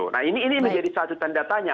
nah ini menjadi satu tanda tanya